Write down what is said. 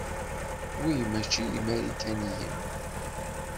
Wi mačči d imarikaniyen?